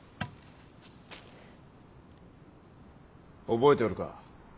覚えておるか？